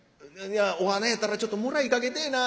お花やったらちょっともらいかけてぇな。